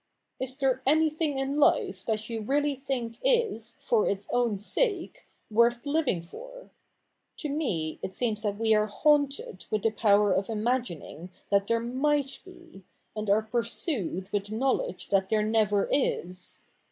' Is there anything in life that you really think is, for its own sake, worth living for? To me it seems that we are haunted with the power of imagining that there might be, and are pursued with the knowledge that there never is.